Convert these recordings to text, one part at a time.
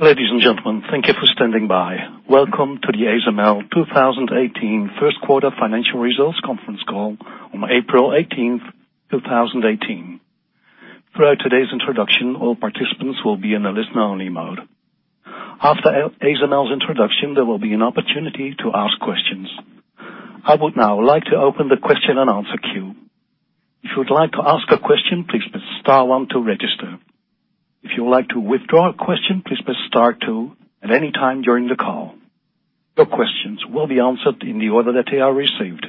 Ladies and gentlemen, thank you for standing by. Welcome to the ASML 2018 first quarter financial results conference call on April 18th, 2018. Throughout today's introduction, all participants will be in a listen-only mode. After ASML's introduction, there will be an opportunity to ask questions. I would now like to open the question and answer queue. If you would like to ask a question, please press star one to register. If you would like to withdraw a question, please press star two at any time during the call. Your questions will be answered in the order that they are received.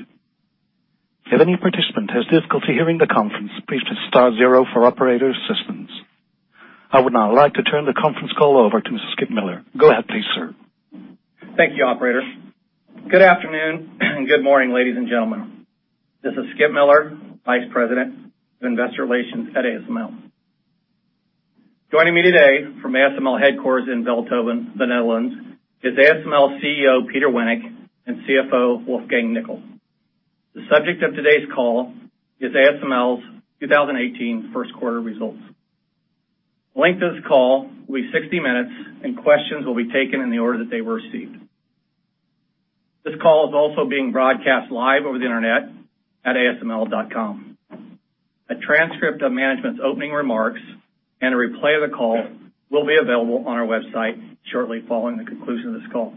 If any participant has difficulty hearing the conference, please press star zero for operator assistance. I would now like to turn the conference call over to Skip Miller. Go ahead, please sir. Thank you, operator. Good afternoon and good morning, ladies and gentlemen. This is Skip Miller, vice president of investor relations at ASML. Joining me today from ASML headquarters in Veldhoven, the Netherlands, is ASML CEO, Peter Wennink, and CFO, Wolfgang Nickl. The subject of today's call is ASML's 2018 first quarter results. Questions will be taken in the order that they were received. This call is also being broadcast live over the internet at asml.com. A transcript of management's opening remarks and a replay of the call will be available on our website shortly following the conclusion of this call.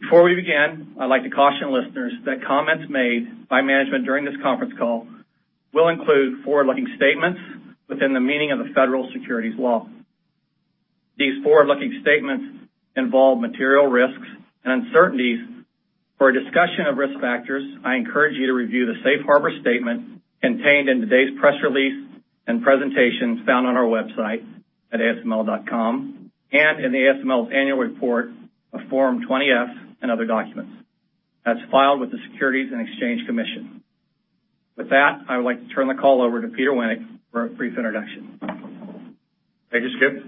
Before we begin, I'd like to caution listeners that comments made by management during this conference call will include forward-looking statements within the meaning of the federal securities law. These forward-looking statements involve material risks and uncertainties. For a discussion of risk factors, I encourage you to review the safe harbor statement contained in today's press release and presentations found on our website at asml.com, in the ASML's annual report of Form 20-F and other documents as filed with the Securities and Exchange Commission. With that, I would like to turn the call over to Peter Wennink for a brief introduction. Thank you, Skip.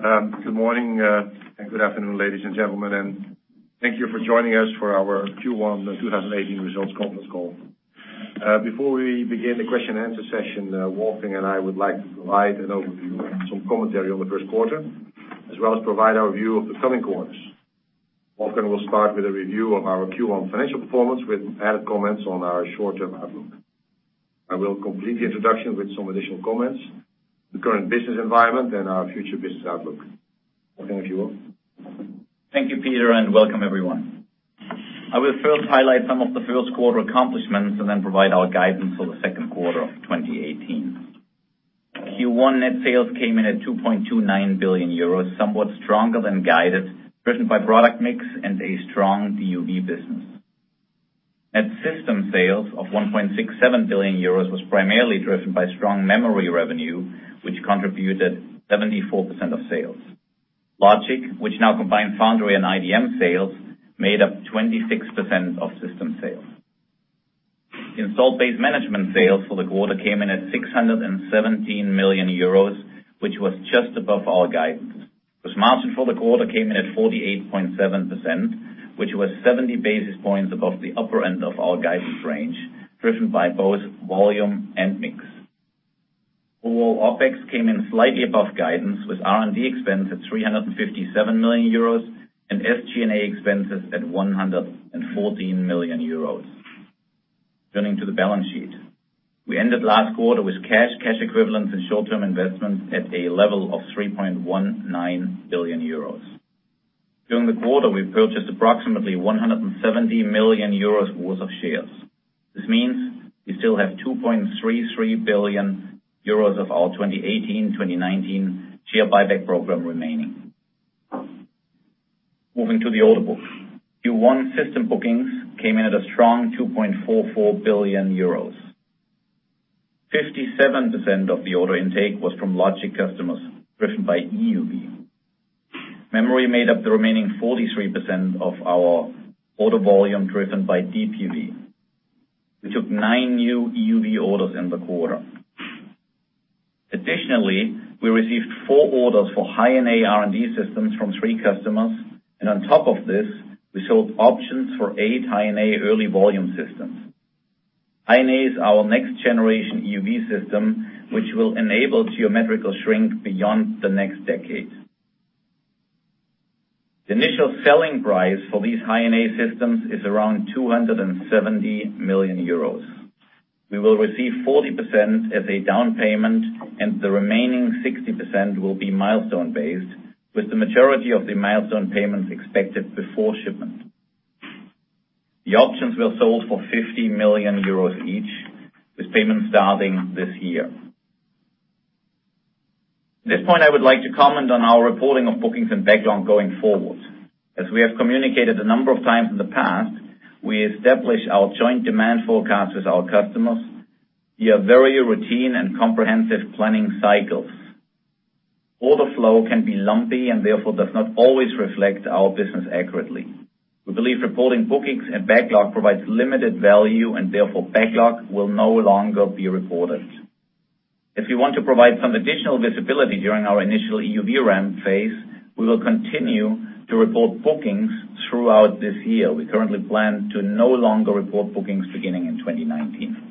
Good morning and good afternoon, ladies and gentlemen, thank you for joining us for our Q1 2018 results conference call. Before we begin the question and answer session, Wolfgang and I would like to provide an overview and some commentary on the first quarter, as well as provide our view of the coming quarters. Wolfgang will start with a review of our Q1 financial performance, with added comments on our short-term outlook. I will complete the introduction with some additional comments, the current business environment, and our future business outlook. Wolfgang, if you will. Thank you, Peter, and welcome everyone. I will first highlight some of the first quarter accomplishments and then provide our guidance for the second quarter of 2018. Q1 net sales came in at 2.29 billion euros, somewhat stronger than guided, driven by product mix and a strong DUV business. Net system sales of 1.67 billion euros was primarily driven by strong memory revenue, which contributed 74% of sales. Logic, which now combines foundry and IDM sales, made up 26% of system sales. Installed base management sales for the quarter came in at 617 million euros, which was just above our guidance. Gross margin for the quarter came in at 48.7%, which was 70 basis points above the upper end of our guidance range, driven by both volume and mix. Overall, OpEx came in slightly above guidance, with R&D expense at 357 million euros and SG&A expenses at 114 million euros. Turning to the balance sheet. We ended last quarter with cash equivalents, and short-term investments at a level of 3.19 billion euros. During the quarter, we purchased approximately 170 million euros worth of shares. This means we still have 2.33 billion euros of our 2018-2019 share buyback program remaining. Moving to the order book. Q1 system bookings came in at a strong 2.44 billion euros. 57% of the order intake was from logic customers driven by EUV. Memory made up the remaining 43% of our order volume driven by DUV. We took nine new EUV orders in the quarter. Additionally, we received four orders for High-NA R&D systems from three customers, and on top of this, we sold options for eight High-NA early volume systems. High-NA is our next generation EUV system, which will enable geometrical shrink beyond the next decade. The initial selling price for these High-NA systems is around 270 million euros. We will receive 40% as a down payment, and the remaining 60% will be milestone based, with the majority of the milestone payments expected before shipment. The options were sold for 50 million euros each, with payments starting this year. At this point, I would like to comment on our reporting of bookings and backlog going forward. As we have communicated a number of times in the past, we establish our joint demand forecast with our customers via very routine and comprehensive planning cycles. Order flow can be lumpy and therefore does not always reflect our business accurately. We believe reporting bookings and backlog provides limited value and therefore backlog will no longer be reported. If you want to provide some additional visibility during our initial EUV ramp phase, we will continue to report bookings throughout this year. We currently plan to no longer report bookings beginning in 2019.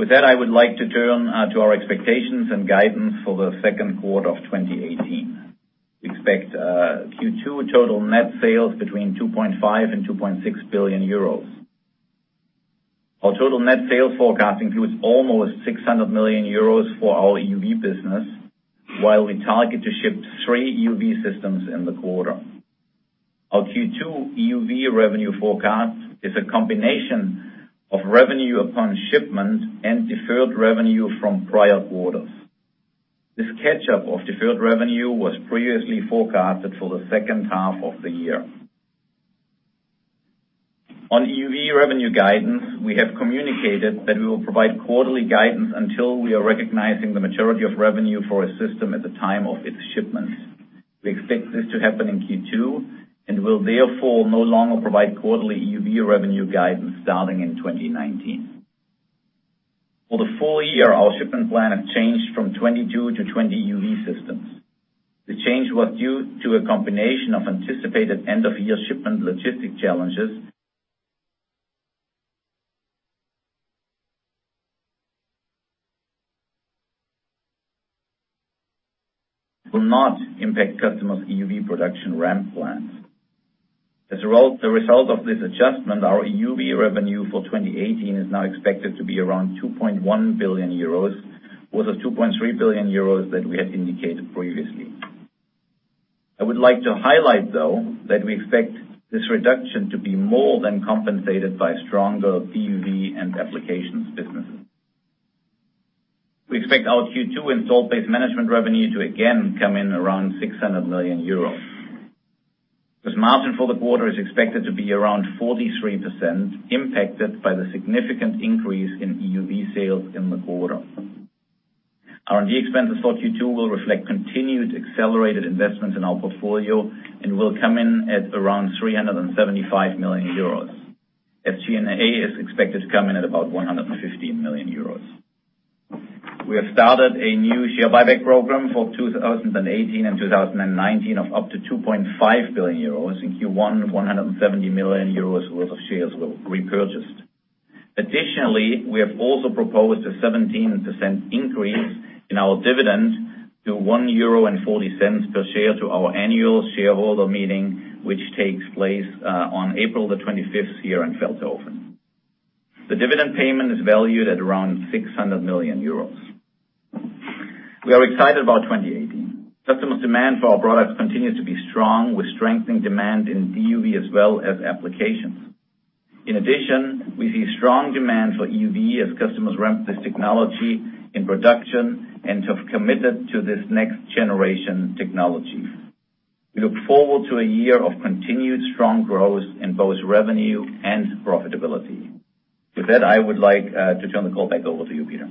With that, I would like to turn to our expectations and guidance for the second quarter of 2018. We expect Q2 total net sales between 2.5 billion and 2.6 billion euros. Our total net sales forecasting fuels almost 600 million euros for our EUV business, while we target to ship three EUV systems in the quarter. Our Q2 EUV revenue forecast is a combination of revenue upon shipment and deferred revenue from prior quarters. This catch-up of deferred revenue was previously forecasted for the second half of the year. On EUV revenue guidance, we have communicated that we will provide quarterly guidance until we are recognizing the maturity of revenue for a system at the time of its shipments. We expect this to happen in Q2, and we will therefore no longer provide quarterly EUV revenue guidance starting in 2019. For the full year, our shipping plan has changed from 22 to 20 EUV systems. The change was due to a combination of anticipated end-of-year shipment logistic challenges. It will not impact customers' EUV production ramp plans. As a result of this adjustment, our EUV revenue for 2018 is now expected to be around 2.1 billion euros versus 2.3 billion euros that we had indicated previously. I would like to highlight, though, that we expect this reduction to be more than compensated by stronger DUV and applications businesses. We expect our Q2 install base management revenue to again come in around 600 million euros. This margin for the quarter is expected to be around 43%, impacted by the significant increase in EUV sales in the quarter. R&D expenses for Q2 will reflect continued accelerated investments in our portfolio and will come in at around 375 million euros. SG&A is expected to come in at about 115 million euros. We have started a new share buyback program for 2018 and 2019 of up to 2.5 billion euros. In Q1, 170 million euros worth of shares were repurchased. Additionally, we have also proposed a 17% increase in our dividend to 1.40 euro per share to our annual shareholder meeting, which takes place on April 25th here in Veldhoven. The dividend payment is valued at around 600 million euros. We are excited about 2018. Customers' demand for our products continues to be strong, with strengthening demand in DUV as well as applications. In addition, we see strong demand for EUV as customers ramp this technology in production and have committed to this next generation technology. We look forward to a year of continued strong growth in both revenue and profitability. With that, I would like to turn the call back over to you, Peter.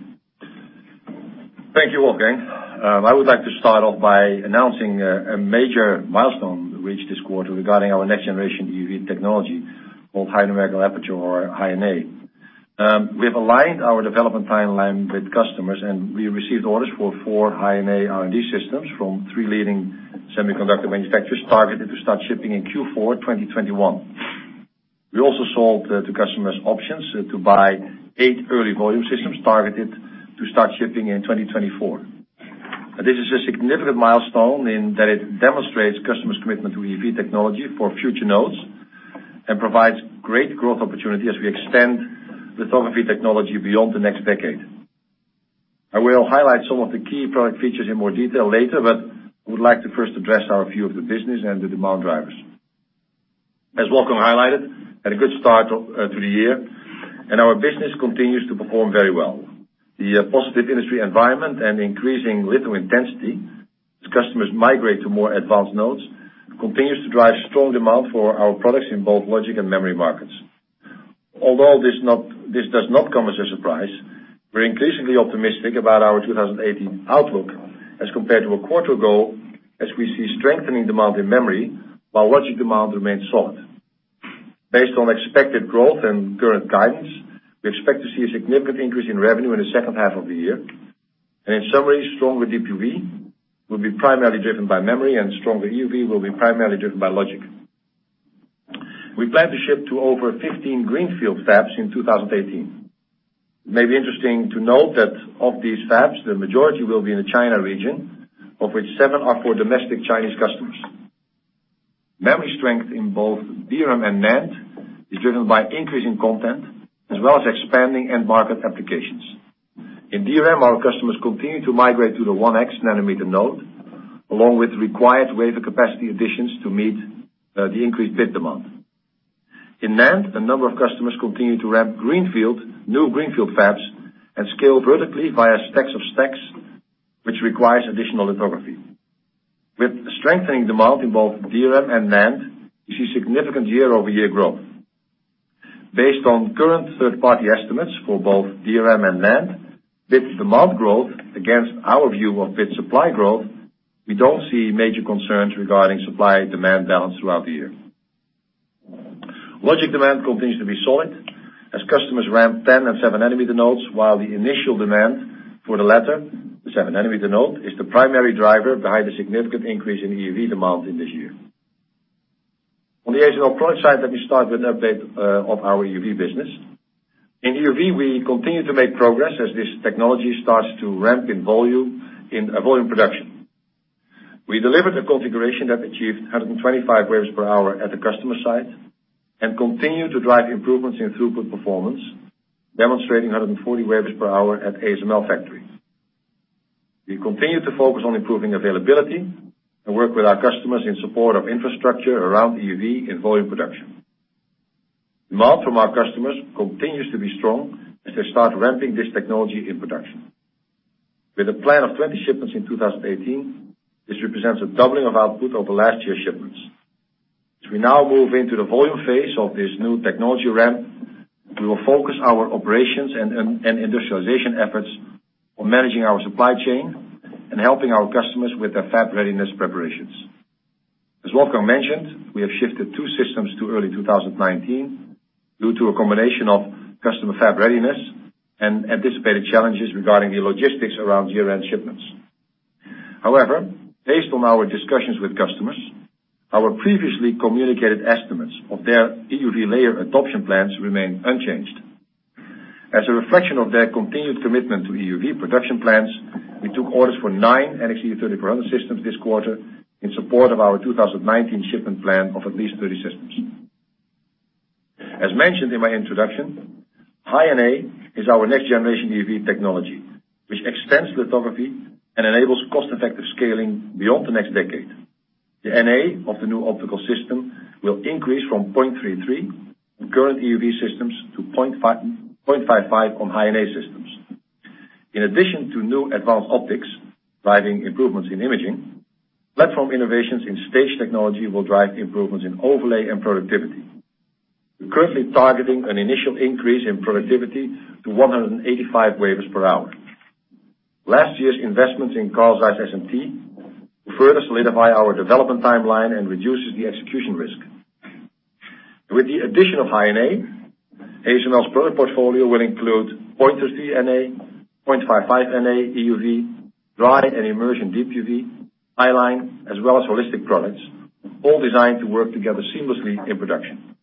Thank you, Wolfgang. I would like to start off by announcing a major milestone reached this quarter regarding our next generation EUV technology, called high numerical aperture or High-NA. We have aligned our development timeline with customers, and we received orders for four High-NA R&D systems from three leading semiconductor manufacturers targeted to start shipping in Q4 2021. We also sold to customers options to buy eight early volume systems targeted to start shipping in 2024. This is a significant milestone in that it demonstrates customers' commitment to EUV technology for future nodes and provides great growth opportunity as we extend lithography technology beyond the next decade. I will highlight some of the key product features in more detail later, but I would like to first address our view of the business and the demand drivers. As Wolfgang highlighted, we had a good start to the year, and our business continues to perform very well. The positive industry environment and increasing litho intensity as customers migrate to more advanced nodes continues to drive strong demand for our products in both logic and memory markets. Although this does not come as a surprise, we are increasingly optimistic about our 2018 outlook as compared to a quarter ago, as we see strengthening demand in memory, while logic demand remains solid. Based on expected growth and current guidance, we expect to see a significant increase in revenue in the second half of the year. In summary, stronger DUV will be primarily driven by memory, and stronger EUV will be primarily driven by logic. We plan to ship to over 15 greenfield fabs in 2018. It may be interesting to note that of these fabs, the majority will be in the China region, of which seven are for domestic Chinese customers. Memory strength in both DRAM and NAND is driven by increasing content as well as expanding end market applications. In DRAM, our customers continue to migrate to the 1X nanometer node, along with required wafer capacity additions to meet the increased bit demand. In NAND, a number of customers continue to ramp new greenfield fabs and scale vertically via stacks of stacks, which requires additional lithography. With strengthening demand in both DRAM and NAND, we see significant year-over-year growth. Based on current third-party estimates for both DRAM and NAND, bit demand growth against our view of bit supply growth, we don't see major concerns regarding supply-demand balance throughout the year. Logic demand continues to be solid as customers ramp 10 and seven nanometer nodes, while the initial demand for the latter, the seven nanometer node, is the primary driver behind the significant increase in EUV demand in this year. On the ASML product side, let me start with an update of our EUV business. In EUV, we continue to make progress as this technology starts to ramp in volume production. We delivered a configuration that achieved 125 wafers per hour at the customer site and continue to drive improvements in throughput performance, demonstrating 140 wafers per hour at ASML factory. We continue to focus on improving availability and work with our customers in support of infrastructure around EUV in volume production. Demand from our customers continues to be strong as they start ramping this technology in production. With a plan of 20 shipments in 2018, this represents a doubling of output over last year's shipments. As we now move into the volume phase of this new technology ramp, we will focus our operations and industrialization efforts on managing our supply chain and helping our customers with their fab readiness preparations. As Wolfgang mentioned, we have shifted two systems to early 2019 due to a combination of customer fab readiness and anticipated challenges regarding the logistics around year-end shipments. Based on our discussions with customers, our previously communicated estimates of their EUV layer adoption plans remain unchanged. As a reflection of their continued commitment to EUV production plans, we took orders for nine NXE:3400 systems this quarter in support of our 2019 shipment plan of at least 30 systems. As mentioned in my introduction, High-NA is our next-generation EUV technology, which extends lithography and enables cost-effective scaling beyond the next decade. The NA of the new optical system will increase from 0.33 in current EUV systems to 0.55 on High-NA systems. In addition to new advanced optics driving improvements in imaging, platform innovations in stage technology will drive improvements in overlay and productivity. We're currently targeting an initial increase in productivity to 185 wafers per hour. Last year's investments in Carlsbad SMT will further solidify our development timeline and reduces the execution risk. With the addition of High-NA, ASML's product portfolio will include 0.33 NA, 0.55 NA EUV, dry and immersion Deep UV, High-NA, as well as holistic products, all designed to work together seamlessly in production.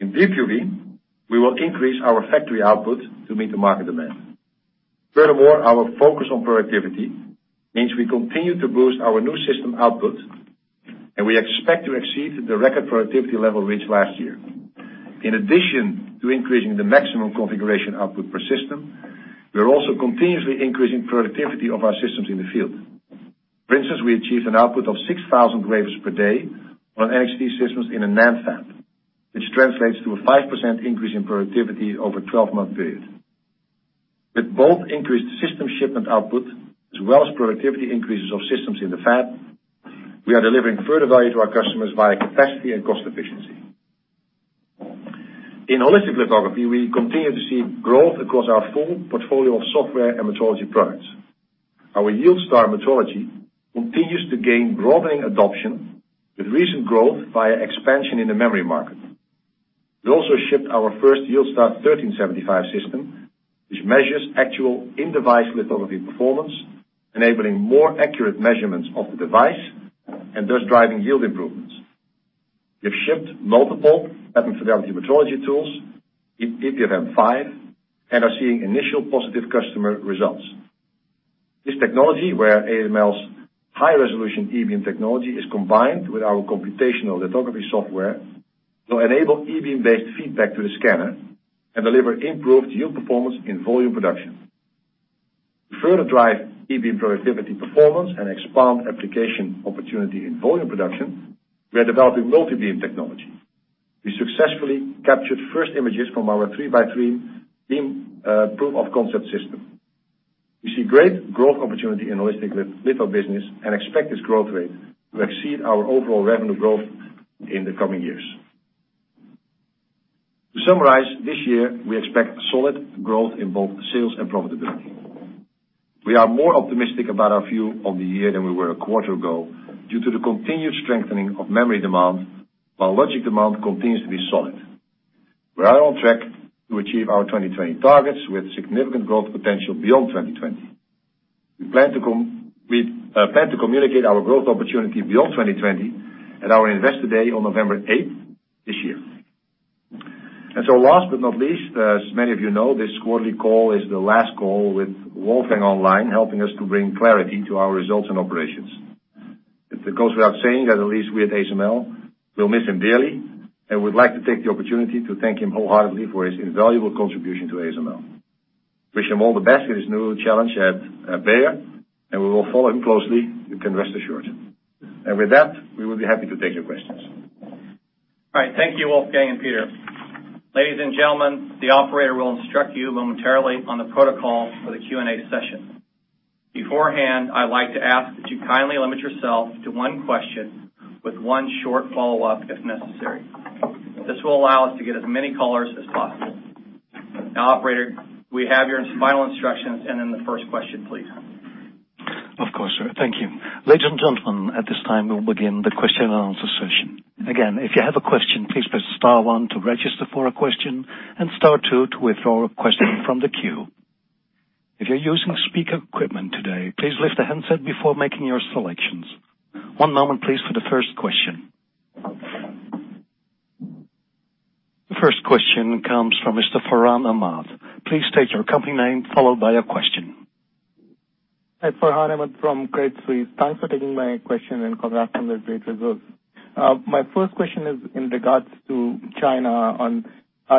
In Deep UV, we will increase our factory output to meet the market demand. Our focus on productivity means we continue to boost our new system output, and we expect to exceed the record productivity level reached last year. In addition to increasing the maximum configuration output per system, we are also continuously increasing productivity of our systems in the field. For instance, we achieved an output of 6,000 wafers per day on NXE systems in a NAND fab, which translates to a 5% increase in productivity over a 12-month period. With both increased system shipment output as well as productivity increases of systems in the fab, we are delivering further value to our customers via capacity and cost efficiency. In holistic lithography, we continue to see growth across our full portfolio of software and metrology products. Our YieldStar metrology continues to gain broadening adoption with recent growth via expansion in the memory market. We also shipped our first YieldStar 1375 system, which measures actual in-device lithography performance, enabling more accurate measurements of the device and thus driving yield improvements. We have shipped multiple pattern fidelity metrology tools, ePfm5, and are seeing initial positive customer results. This technology, where ASML's high-resolution E-beam technology is combined with our computational lithography software, will enable E-beam-based feedback to the scanner and deliver improved yield performance in volume production. To further drive E-beam productivity performance and expand application opportunity in volume production, we are developing multi-beam technology. We successfully captured first images from our three-by-three beam proof of concept system. We see great growth opportunity in holistic litho business and expect this growth rate to exceed our overall revenue growth in the coming years. This year, we expect solid growth in both sales and profitability. We are more optimistic about our view of the year than we were a quarter ago due to the continued strengthening of memory demand, while logic demand continues to be solid. We are on track to achieve our 2020 targets with significant growth potential beyond 2020. We plan to communicate our growth opportunity beyond 2020 at our Investor Day on November 8th this year. Last but not least, as many of you know, this quarterly call is the last call with Wolfgang online, helping us to bring clarity to our results and operations. It goes without saying that at least we at ASML will miss him dearly, and we'd like to take the opportunity to thank him wholeheartedly for his invaluable contribution to ASML. Wish him all the best in his new challenge at Bayer, and we will follow him closely, you can rest assured. With that, we will be happy to take your questions. All right. Thank you, Wolfgang and Peter. Ladies and gentlemen, the operator will instruct you momentarily on the protocol for the Q&A session. Beforehand, I'd like to ask that you kindly limit yourself to one question with one short follow-up if necessary. This will allow us to get as many callers as possible. Now, operator, we have your final instructions and then the first question, please. Of course, sir. Thank you. Ladies and gentlemen, at this time, we'll begin the question and answer session. Again, if you have a question, please press star one to register for a question and star two to withdraw a question from the queue. If you're using speaker equipment today, please lift the handset before making your selections. One moment please, for the first question. The first question comes from Mr. Farhan Ahmad. Please state your company name, followed by your question. Hi. Farhan Ahmad from Credit Suisse. Thanks for taking my question and congrats on the great results. My first question is in regards to China on,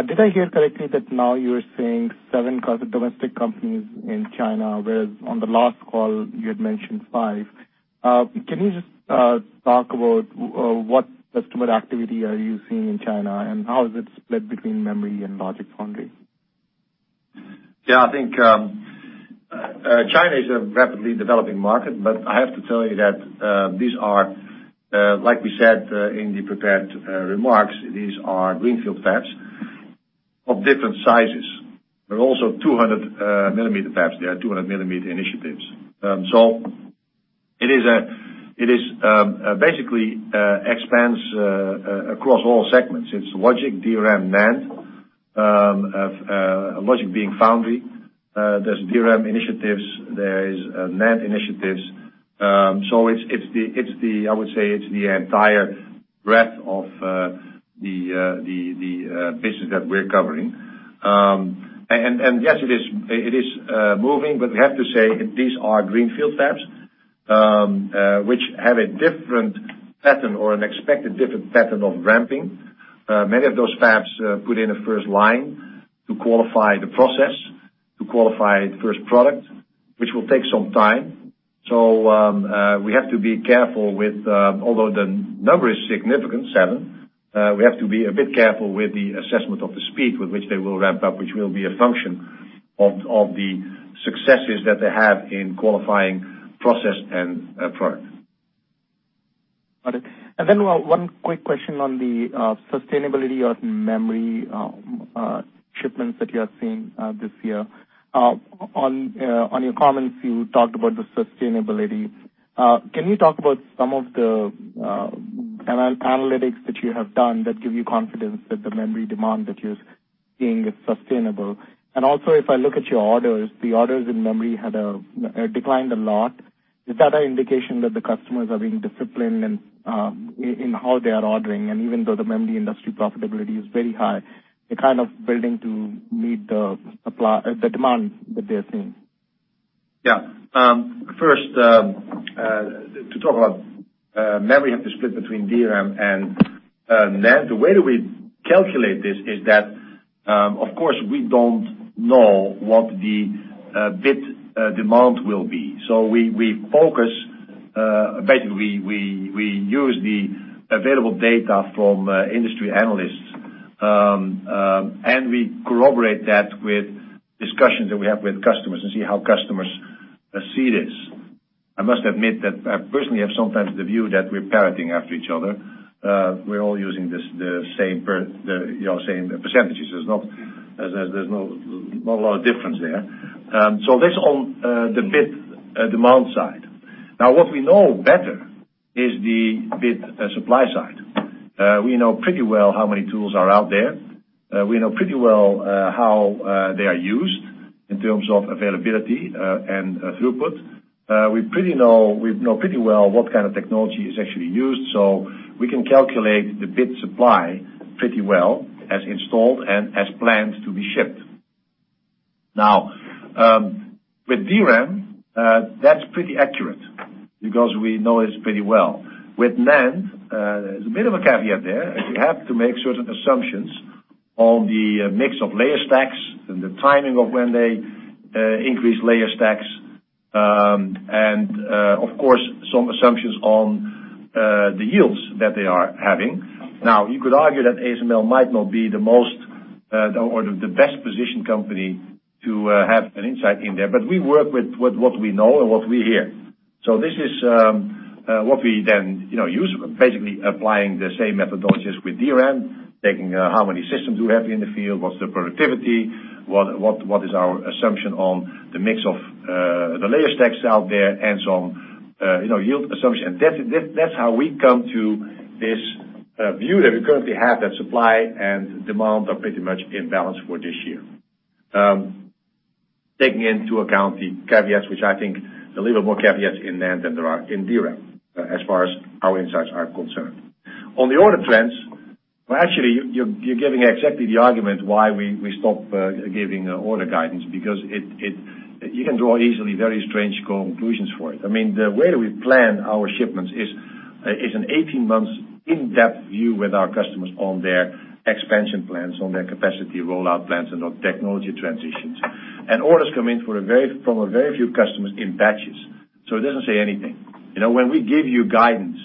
did I hear correctly that now you're saying seven domestic companies in China, whereas on the last call you had mentioned five? Can you just talk about what customer activity are you seeing in China, and how is it split between memory and logic foundry? I think China is a rapidly developing market, but I have to tell you that these are, like we said in the prepared remarks, these are greenfield fabs of different sizes. They're also 200-millimeter fabs. There are 200-millimeter initiatives. It basically expands across all segments. It's logic, DRAM, NAND. Logic being foundry. There's DRAM initiatives. There is NAND initiatives. I would say it's the entire breadth of the business that we're covering. Yes, it is moving, but we have to say, these are greenfield fabs, which have a different pattern or an expected different pattern of ramping. Many of those fabs put in a first line to qualify the process, to qualify the first product, which will take some time. We have to be careful with, although the number is significant, seven, we have to be a bit careful with the assessment of the speed with which they will ramp up, which will be a function of the successes that they have in qualifying process and product. Got it. One quick question on the sustainability of memory shipments that you are seeing this year. On your comments, you talked about the sustainability. Can you talk about some of the analytics that you have done that give you confidence that the memory demand that you're seeing is sustainable? Also, if I look at your orders, the orders in memory had declined a lot. Is that an indication that the customers are being disciplined in how they are ordering, and even though the memory industry profitability is very high, they're kind of building to meet the demand that they're seeing? First, to talk about memory, you have to split between DRAM and NAND. The way that we calculate this is that, of course, we don't know what the bit demand will be. We focus, basically, we use the available data from industry analysts, and we corroborate that with discussions that we have with customers and see how customers see this. I must admit that I personally have sometimes the view that we're parroting after each other. We're all using the same percentages. There's not a lot of difference there. That's on the bit demand side. What we know better is the bit supply side. We know pretty well how many tools are out there. We know pretty well how they are used in terms of availability and throughput. We know pretty well what kind of technology is actually used. We can calculate the bit supply pretty well as installed and as planned to be shipped. With DRAM, that's pretty accurate because we know it pretty well. With NAND, there's a bit of a caveat there, as we have to make certain assumptions on the mix of layer stacks and the timing of when they increase layer stacks. Of course, some assumptions on the yields that they are having. You could argue that ASML might not be the most, or the best-positioned company to have an insight in there, but we work with what we know and what we hear. This is what we then use, basically applying the same methodologies with DRAM, taking how many systems we have in the field, what's the productivity, what is our assumption on the mix of the layer stacks out there, and so on, yield assumption. That's how we come to this view that we currently have, that supply and demand are pretty much in balance for this year. Taking into account the caveats, which I think there are a little more caveats in NAND than there are in DRAM, as far as our insights are concerned. On the order trends, well, actually, you're giving exactly the argument why we stopped giving order guidance, because you can draw easily very strange conclusions for it. The way that we plan our shipments is an 18-month in-depth view with our customers on their expansion plans, on their capacity rollout plans, and on technology transitions. Orders come in from a very few customers in batches. It doesn't say anything. When we give you guidance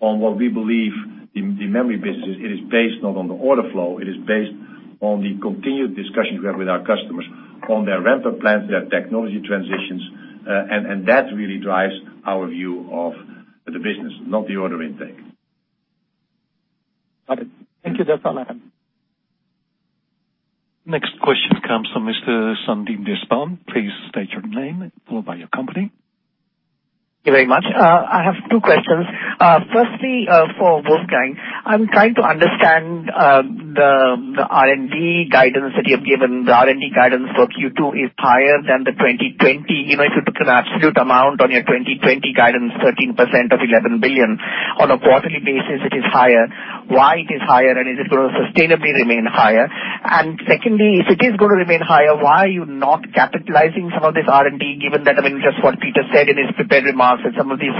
on what we believe the memory business is, it is based not on the order flow, it is based on the continued discussions we have with our customers on their ramp-up plans, their technology transitions. That really drives our view of the business, not the order intake. Got it. Thank you. That's all I have. Next question comes from Mr. Sandeep Deshpande. Please state your name, followed by your company. Thank you very much. I have two questions. Firstly, for Wolfgang. I'm trying to understand the R&D guidance that you have given. The R&D guidance for Q2 is higher than 2020. If you took an absolute amount on your 2020 guidance, 13% of 11 billion. On a quarterly basis, it is higher. Why it is higher, and is it going to sustainably remain higher? Secondly, if it is going to remain higher, why are you not capitalizing some of this R&D, given that, just what Peter said in his prepared remarks, that some of these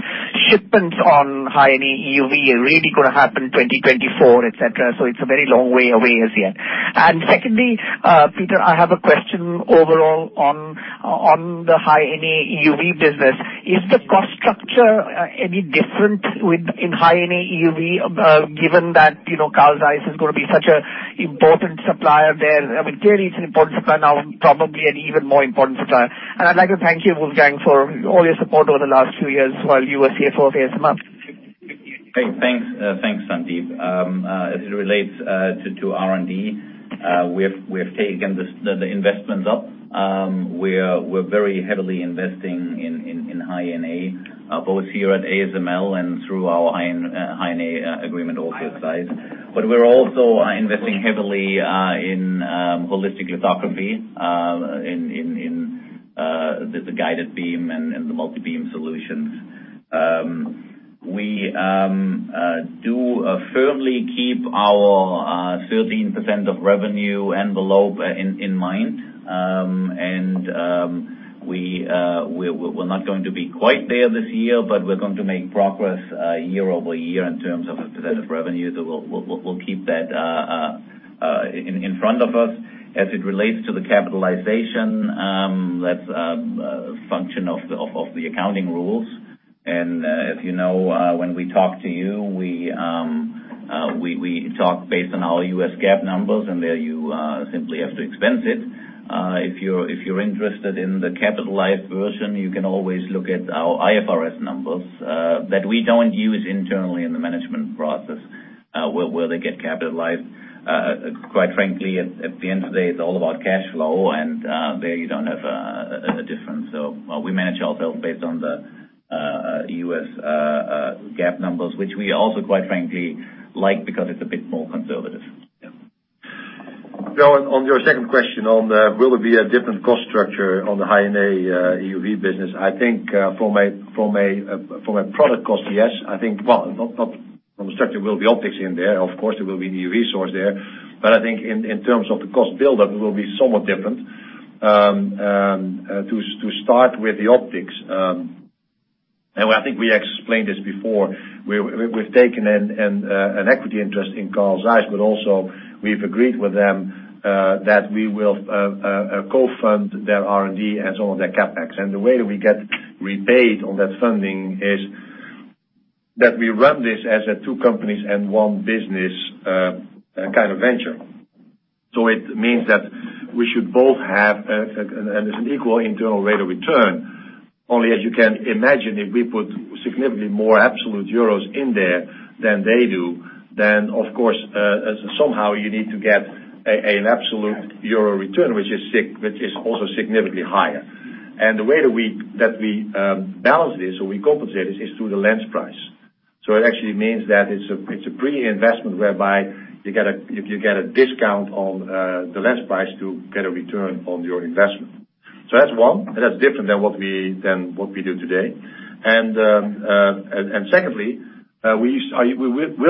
shipments on High-NA EUV are really going to happen 2024, et cetera, so it's a very long way away as yet. Secondly, Peter, I have a question overall on the High-NA EUV business. Is the cost structure any different in High-NA EUV, given that Carl Zeiss is going to be such an important supplier there? Clearly, it's an important supplier now, probably an even more important supplier. I'd like to thank you, Wolfgang, for all your support over the last few years while you were CFO of ASML. Hey, thanks. Thanks, Sandeep. As it relates to R&D, we have taken the investments up. We're very heavily investing in High-NA, both here at ASML and through our High-NA agreement also with Zeiss. We're also investing heavily in holistic lithography, in the guided beam and the multi-beam solutions. We do firmly keep our 13% of revenue envelope in mind. We're not going to be quite there this year, but we're going to make progress year-over-year in terms of percentage of revenue. We'll keep that in front of us. As it relates to the capitalization, that's a function of the accounting rules. If you know, when we talk to you, we talk based on our US GAAP numbers, and there you simply have to expense it. If you're interested in the capitalized version, you can always look at our IFRS numbers, that we don't use internally in the management process, where they get capitalized. Quite frankly, at the end of the day, it's all about cash flow, and there you don't have a difference. We manage ourselves based on the US GAAP numbers, which we also, quite frankly, like because it's a bit more conservative. No, on your second question on will there be a different cost structure on the High-NA EUV business, I think from a product cost, yes. From a structure, there will be optics in there. Of course, there will be a new resource there. I think in terms of the cost build-up, it will be somewhat different. To start with the optics, and I think we explained this before, we've taken an equity interest in Carl Zeiss, but also we've agreed with them that we will co-fund their R&D and some of their CapEx. The way that we get repaid on that funding is that we run this as a two companies and one business kind of venture. It means that we should both have an equal internal rate of return. Only, as you can imagine, if we put significantly more absolute EUR in there than they do, then of course, somehow you need to get an absolute EUR return, which is also significantly higher. The way that we balance this or we compensate this is through the lens price. It actually means that it's a brilliant investment whereby you get a discount on the lens price to get a return on your investment. That's one, and that's different than what we do today. Secondly, we'll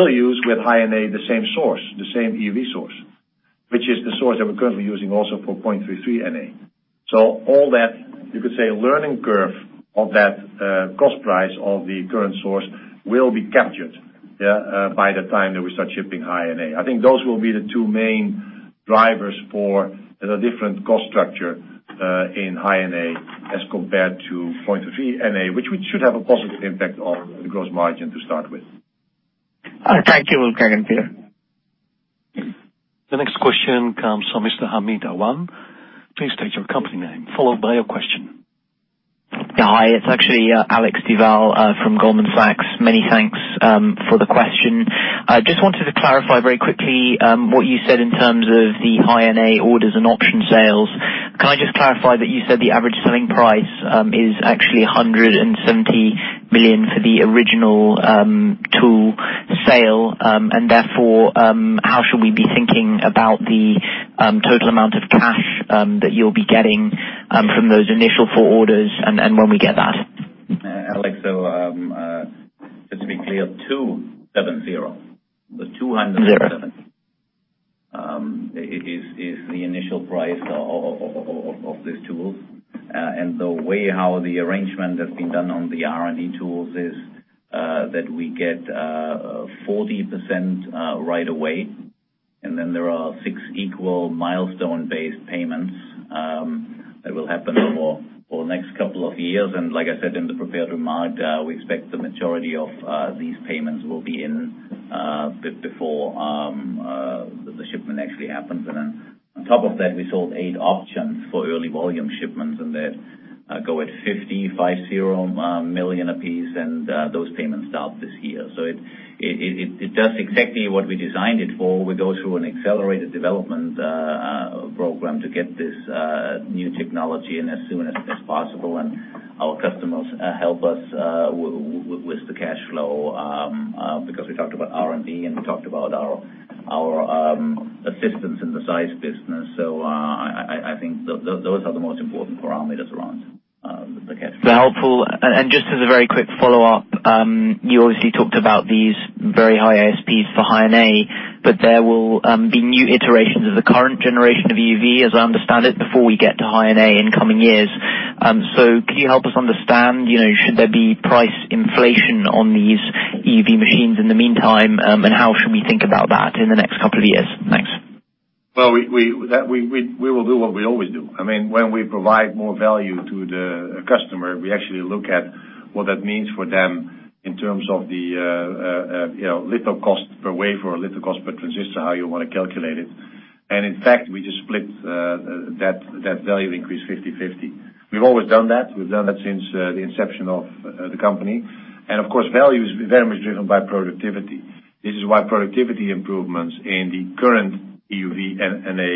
use with High-NA the same source, the same EUV source, which is the source that we're currently using also for 0.33 NA. All that, you could say, learning curve of that cost price of the current source will be captured by the time that we start shipping High-NA. I think those will be the two main drivers for the different cost structure in High-NA as compared to 0.33 NA, which should have a positive impact on the gross margin to start with. Thank you, Wolfgang and Peter. The next question comes from Mr. Hameed Awan. Please state your company name, followed by your question. Hi, it's actually Alexander Duval from Goldman Sachs. Many thanks for the question. I just wanted to clarify very quickly what you said in terms of the High-NA orders and option sales. Can I just clarify that you said the average selling price is actually 170 million for the original tool sale? Therefore, how should we be thinking about the total amount of cash that you'll be getting from those initial four orders, and when we get that? Alex, just to be clear, 270. Zero is the initial price of these tools. The way how the arrangement has been done on the R&D tools is that we get 40% right away, and then there are six equal milestone-based payments that will happen over the next couple of years. Like I said in the prepared remarks, we expect the majority of these payments will be in a bit before the shipment actually happens. On top of that, we sold eight options for early volume shipments, and they go at 50 million a piece, and those payments start this year. It does exactly what we designed it for. We go through an accelerated development program to get this new technology in as soon as possible and Our customers help us with the cash flow, because we talked about R&D, and we talked about our assistance in the Zeiss business. I think those are the most important parameters around the cash flow. Helpful. Just as a very quick follow-up, you obviously talked about these very high ASPs for High-NA, but there will be new iterations of the current generation of EUV, as I understand it, before we get to High-NA in coming years. Can you help us understand, should there be price inflation on these EUV machines in the meantime? How should we think about that in the next couple of years? Thanks. Well, we will do what we always do. When we provide more value to the customer, we actually look at what that means for them in terms of the litho cost per wafer or litho cost per transistor, how you want to calculate it. In fact, we just split that value increase 50/50. We've always done that. We've done that since the inception of the company. Of course, value is very much driven by productivity. This is why productivity improvements in the current EUV and NA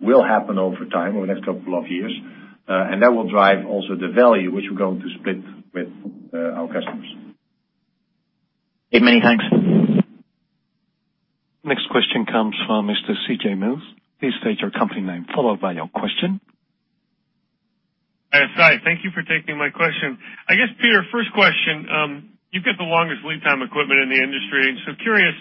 will happen over time, over the next couple of years. That will drive also the value which we're going to split with our customers. Okay. Many thanks. Next question comes from Mr. C.J. Muse. Please state your company name, followed by your question. Hi, ASML. Thank you for taking my question. I guess, Peter, first question. You've got the longest lead time equipment in the industry. Curious,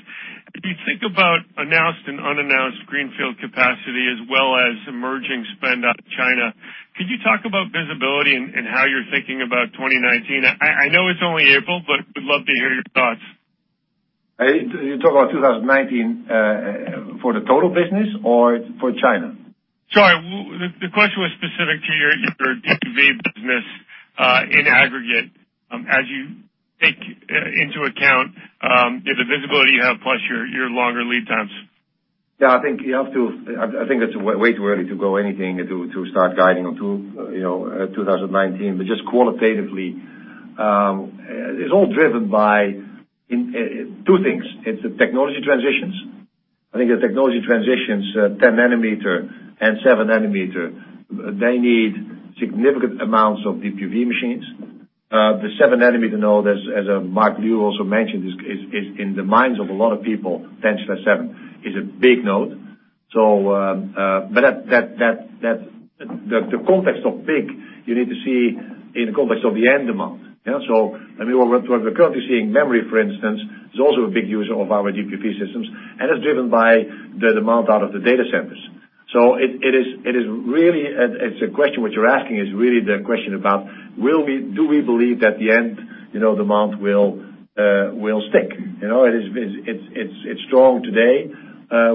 as you think about announced and unannounced greenfield capacity as well as emerging spend out of China, could you talk about visibility and how you're thinking about 2019? I know it's only April, but would love to hear your thoughts. You talk about 2019 for the total business or for China? Sorry. The question was specific to your DUV business in aggregate as you take into account the visibility you have plus your longer lead times. Yeah, I think it's way too early to go anything, to start guiding on 2019. Just qualitatively, it's all driven by two things. It's the technology transitions. I think the technology transitions, 10-nanometer and 7-nanometer, they need significant amounts of DUV machines. The 7-nanometer node, as Mark Liu also mentioned, is in the minds of a lot of people, 10/7 is a big node. The context of big you need to see in the context of the end demand. What we're currently seeing, memory, for instance, is also a big user of our DUV systems, and it's driven by the demand out of the data centers. The question which you're asking is really the question about, do we believe that the end demand will stick? It's strong today.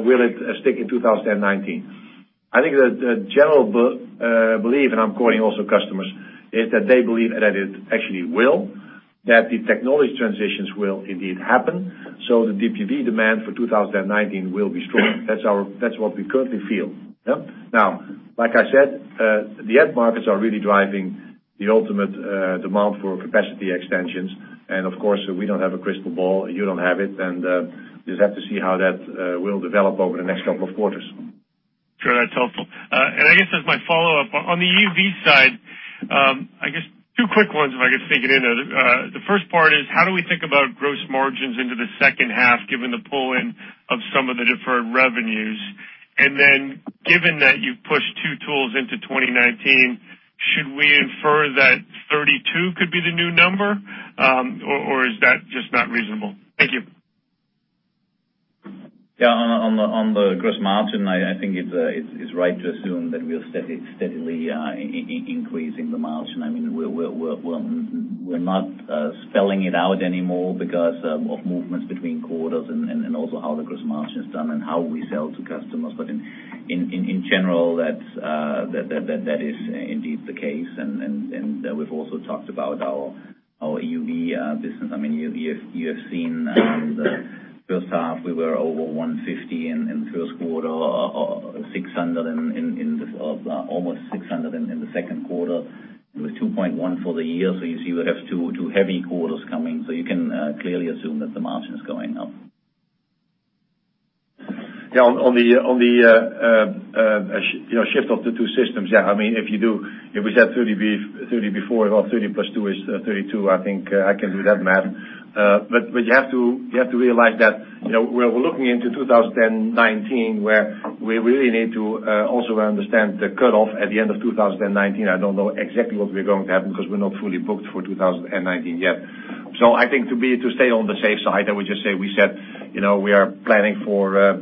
Will it stick in 2019? I think the general belief, and I'm quoting also customers, is that they believe that it actually will, that the technology transitions will indeed happen. The DUV demand for 2019 will be strong. That's what we currently feel. Now, like I said, the end markets are really driving the ultimate demand for capacity extensions. Of course, we don't have a crystal ball. You don't have it. Just have to see how that will develop over the next couple of quarters. Sure. That's helpful. I guess as my follow-up, on the EUV side, I guess two quick ones if I could sneak it in there. The first part is, how do we think about gross margins into the second half given the pull-in of some of the deferred revenues? Given that you've pushed two tools into 2019, should we infer that 32 could be the new number? Or is that just not reasonable? Thank you. Yeah. On the gross margin, I think it's right to assume that we're steadily increasing the margin. We're not spelling it out anymore because of movements between quarters and also how the gross margin is done and how we sell to customers. In general, that is indeed the case. We've also talked about our EUV business. You have seen the first half, we were over 150 in first quarter, almost 600 in the second quarter. It was 2.1 for the year. You see, we have two heavy quarters coming. You can clearly assume that the margin is going up. On the shift of the two systems, if we said 30 before, well, 30 plus 2 is 32. I think I can do that math. You have to realize that we're looking into 2019, where we really need to also understand the cutoff at the end of 2019. I don't know exactly what we're going to happen because we're not fully booked for 2019 yet. I think to stay on the safe side, I would just say we said we are planning for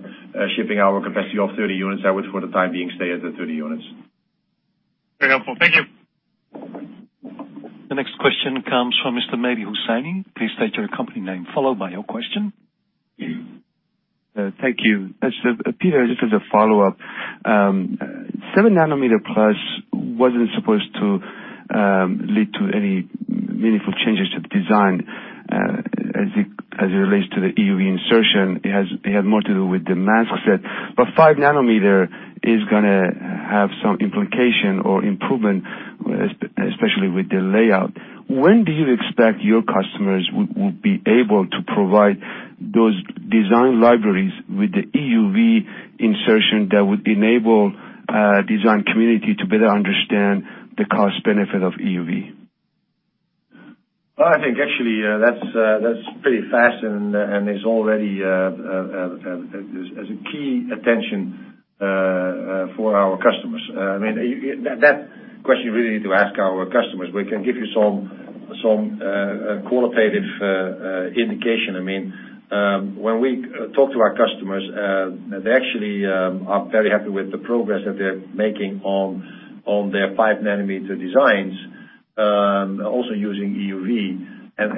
shipping our capacity of 30 units. I would for the time being stay at the 30 units. Very helpful. Thank you. The next question comes from Mr. Mehdi Hosseini. Please state your company name followed by your question. Thank you. Peter, just as a follow-up. Seven nanometer plus wasn't supposed to lead to any meaningful changes to the design as it relates to the EUV insertion. It had more to do with the mask set. Five nanometer is going to have some implication or improvement, especially with the layout. When do you expect your customers will be able to provide those design libraries with the EUV insertion that would enable design community to better understand the cost benefit of EUV? Well, I think actually, that's pretty fast and is already as a key attention for our customers. That question really to ask our customers, we can give you some qualitative indication. When we talk to our customers, they actually are very happy with the progress that they're making on their five nanometer designs, also using EUV. As,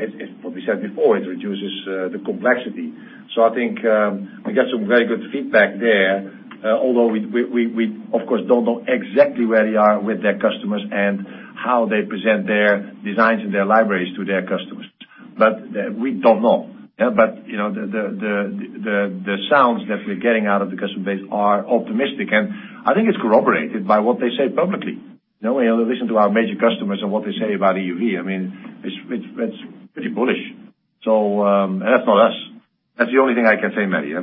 what we said before, it reduces the complexity. I think, we got some very good feedback there, although we, of course, don't know exactly where they are with their customers and how they present their designs and their libraries to their customers. We don't know. The sounds that we're getting out of the customer base are optimistic, and I think it's corroborated by what they say publicly. When you listen to our major customers and what they say about EUV, it's pretty bullish. That's not us. That's the only thing I can say, Mehdi.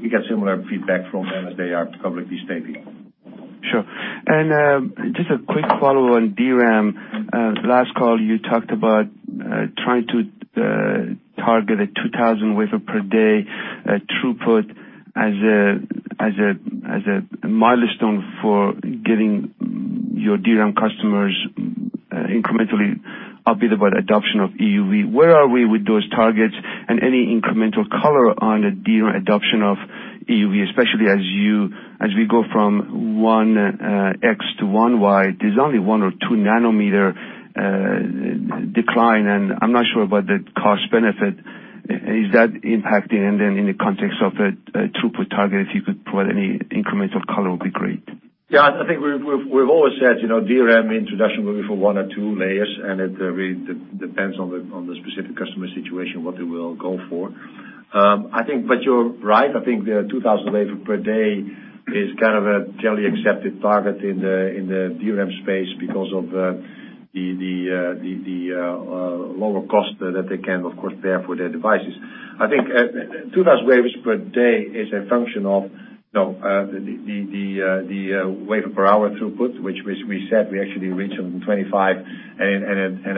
We get similar feedback from them as they are publicly stating. Sure. Just a quick follow on DRAM. Last call you talked about, trying to target a 2,000 wafer per day throughput as a milestone for getting your DRAM customers incrementally upbeat about adoption of EUV. Where are we with those targets and any incremental color on the DRAM adoption of EUV, especially as we go from 1X to 1Y, there's only one or two nanometer decline, and I'm not sure about the cost benefit. Is that impacting? In the context of a throughput target, if you could provide any incremental color would be great. Yeah, I think we've always said, DRAM introduction will be for one or two layers, and it really depends on the specific customer situation, what they will go for. You're right, I think the 2,000 wafer per day is kind of a generally accepted target in the DRAM space because of the lower cost that they can, of course, bear for their devices. I think 2,000 wafers per day is a function of the wafer per hour throughput, which we said we actually reached 125 and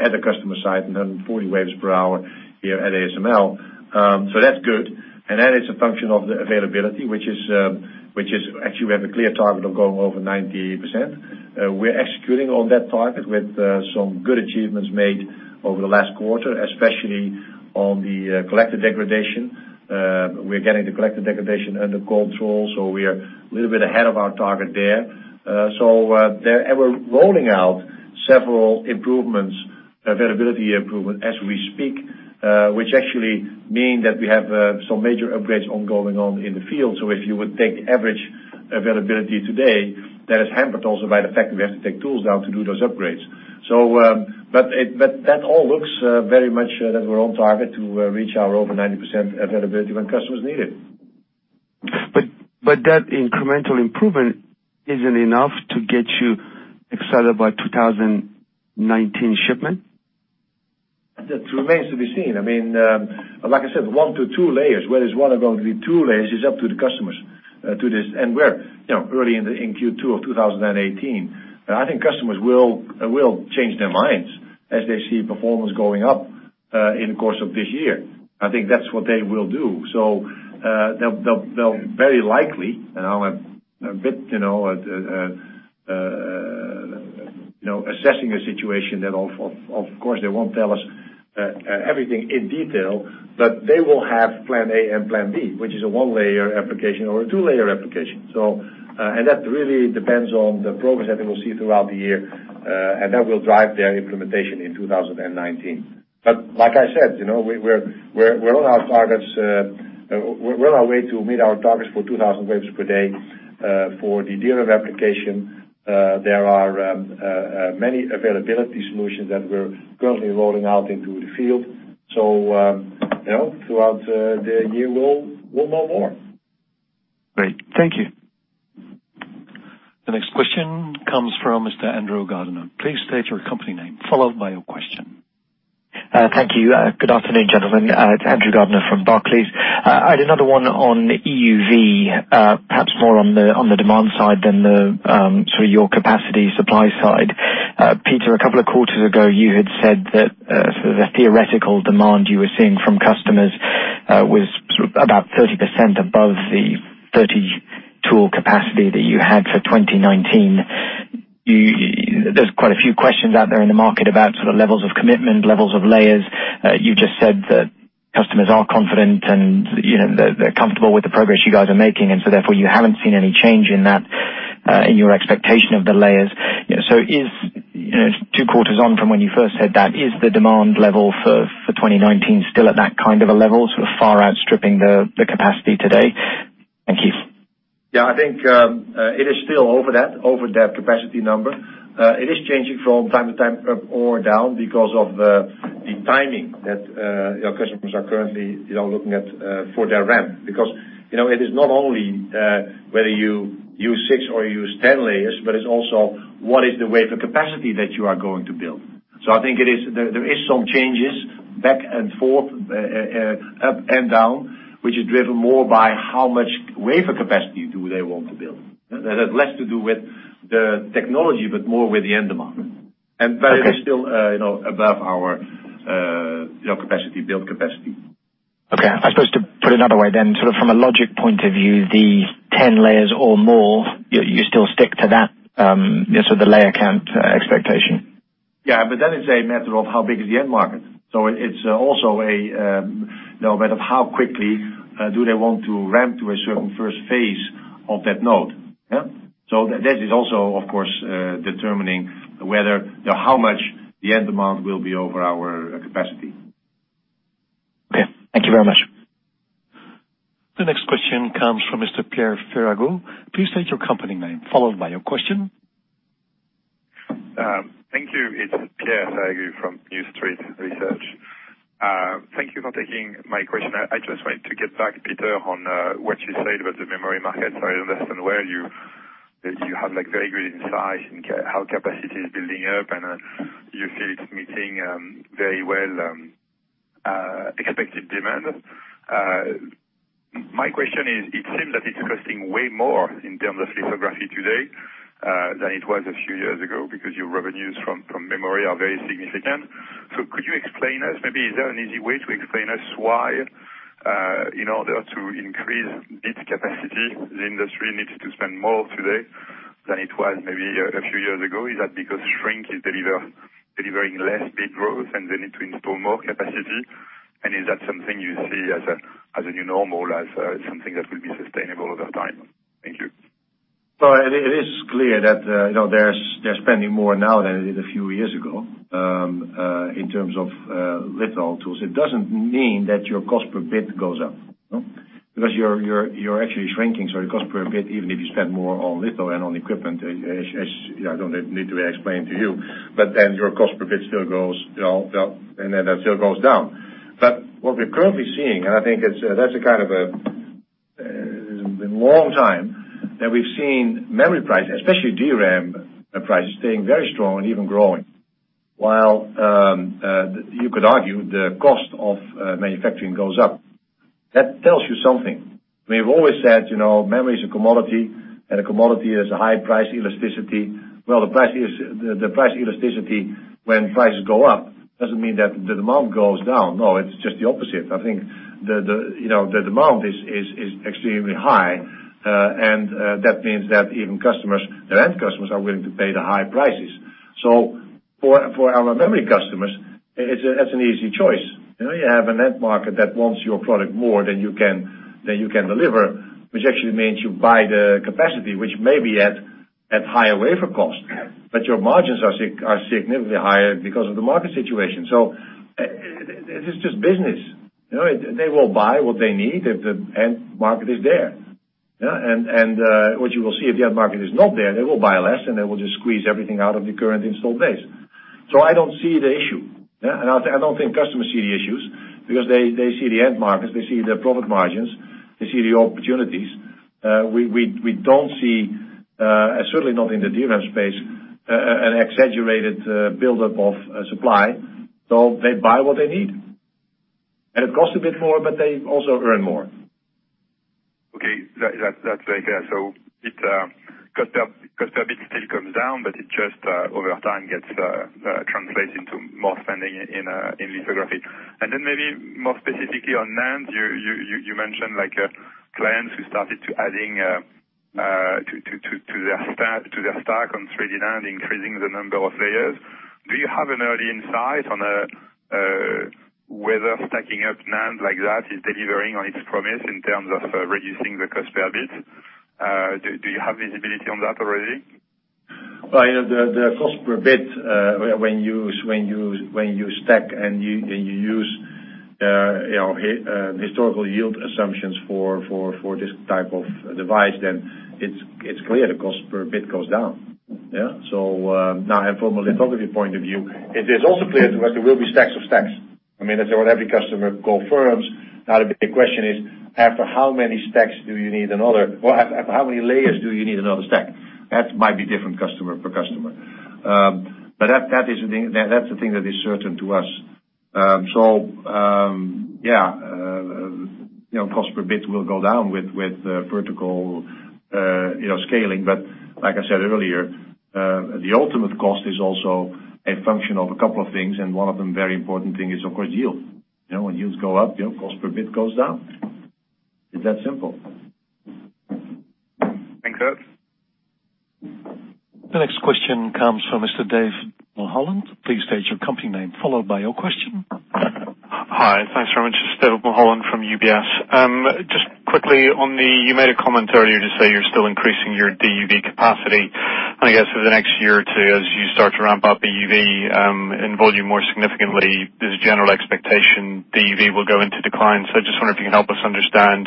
at a customer site, 140 wafers per hour here at ASML. That's good. That is a function of the availability, which is actually, we have a clear target of going over 90%. We're executing on that target with some good achievements made over the last quarter, especially on the collector degradation. We're getting the collector degradation under control, we are a little bit ahead of our target there. We're rolling out several availability improvement as we speak, which actually mean that we have some major upgrades ongoing on in the field. If you would take average availability today, that is hampered also by the fact that we have to take tools down to do those upgrades. That all looks very much that we're on target to reach our over 90% availability when customers need it. That incremental improvement isn't enough to get you excited by 2019 shipment? That remains to be seen. Like I said, one to two layers, whether it's one or going to be two layers, is up to the customers to this. We're early in Q2 of 2018. I think customers will change their minds as they see performance going up, in the course of this year. I think that's what they will do. They'll very likely, and I'm a bit assessing a situation that, of course, they won't tell us everything in detail, but they will have plan A and plan B, which is a one-layer application or a two-layer application. That really depends on the progress that they will see throughout the year, and that will drive their implementation in 2019. Like I said, we're on our way to meet our targets for 2,000 wafers per day. For the DRAM application, there are many availability solutions that we're currently rolling out into the field. Throughout the year, we'll know more. Great. Thank you. The next question comes from Mr. Andrew Gardiner. Please state your company name, followed by your question. Thank you. Good afternoon, gentlemen. It's Andrew Gardiner from Barclays. I had another one on EUV, perhaps more on the demand side than the sort of your capacity supply side. Peter, a couple of quarters ago, you had said that, sort of the theoretical demand you were seeing from customers was sort of about 30% above the 30 tool capacity that you had for 2019. There's quite a few questions out there in the market about sort of levels of commitment, levels of layers. You just said that customers are confident, and they're comfortable with the progress you guys are making, and so therefore, you haven't seen any change in that, in your expectation of the layers. Two quarters on from when you first said that, is the demand level for 2019 still at that kind of a level, sort of far outstripping the capacity today? Thank you. I think, it is still over that capacity number. It is changing from time to time up or down because of the timing that our customers are currently looking at for their RAM. It is not only whether you use six or use 10 layers, but it's also what is the wafer capacity that you are going to build. I think there is some changes back and forth, up and down, which is driven more by how much wafer capacity do they want to build? That has less to do with the technology, but more with the end demand. Okay. It is still above our build capacity. I suppose, to put it another way, from a logic point of view, the 10 layers or more, you still stick to that layer count expectation? That is a matter of how big is the end market. It's also a matter of how quickly do they want to ramp to a certain first phase of that node. Yeah? That is also, of course, determining how much the end demand will be over our capacity. Okay. Thank you very much. The next question comes from Mr. Pierre Ferragu. Please state your company name, followed by your question. Thank you. It's Pierre Ferragu from New Street Research. Thank you for taking my question. I just wanted to get back, Peter, on what you said about the memory market. I understand where you have very good insight in how capacity is building up, and you feel it's meeting very well expected demand. My question is, it seems that it's costing way more in terms of lithography today, than it was a few years ago because your revenues from memory are very significant. Could you explain us, maybe is there an easy way to explain us why, in order to increase bit capacity, the industry needs to spend more today than it was maybe a few years ago? Is that because shrink is delivering less bit growth and they need to install more capacity? Is that something you see as a new normal, as something that will be sustainable over time? Thank you. It is clear that they're spending more now than they did a few years ago, in terms of litho tools. It doesn't mean that your cost per bit goes up. You're actually shrinking, so your cost per bit, even if you spend more on litho and on equipment, I don't need to explain to you, but then your cost per bit still goes up, and then that still goes down. What we're currently seeing, and I think that's a kind of a long time that we've seen memory prices, especially DRAM prices, staying very strong and even growing. While, you could argue the cost of manufacturing goes up. That tells you something. We've always said, memory is a commodity, and a commodity has a high-price elasticity. Well, the price elasticity when prices go up doesn't mean that the demand goes down. No, it's just the opposite. I think the demand is extremely high, and that means that even the end customers are willing to pay the high prices. For our memory customers, that's an easy choice. You have an end market that wants your product more than you can deliver, which actually means you buy the capacity, which may be at higher wafer cost. Your margins are significantly higher because of the market situation. It is just business. They will buy what they need if the end market is there. Yeah? What you will see, if the end market is not there, they will buy less, and they will just squeeze everything out of the current installed base. I don't see the issue. I don't think customers see the issues because they see the end markets, they see the profit margins, they see the opportunities. We don't see, certainly not in the DRAM space, an exaggerated buildup of supply. They buy what they need. It costs a bit more, but they also earn more. Okay. That's very clear. Cost per bit still comes down, but it just, over time, translates into more spending in lithography. Maybe more specifically on NAND, you mentioned clients who started to adding to their stack on 3D NAND, increasing the number of layers. Do you have an early insight on whether stacking up NAND like that is delivering on its promise in terms of reducing the cost per bit? Do you have visibility on that already? Well, the cost per bit, when you stack and you use historical yield assumptions for this type of device, then it's clear the cost per bit goes down. Yeah. Now from a lithography point of view, it is also clear to us there will be stacks of stacks. That's what every customer confirms. Now the big question is, after how many layers do you need another stack? That might be different customer per customer. That's the thing that is certain to us. Yeah. Cost per bit will go down with vertical scaling, like I said earlier, the ultimate cost is also a function of a couple of things, and one of the very important thing is, of course, yield. When yields go up, cost per bit goes down. It's that simple. Thanks. The next question comes from Mr. Dave Mulholland. Please state your company name, followed by your question. Hi. Thanks very much. It's Dave Mulholland from UBS. Just quickly, you made a comment earlier to say you're still increasing your DUV capacity. I guess over the next year or two, as you start to ramp up EUV in volume more significantly, there's a general expectation DUV will go into decline. I just wonder if you can help us understand